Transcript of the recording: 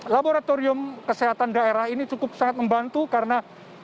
laboratorium kesehatan daerah ini cukup sangat membantu karena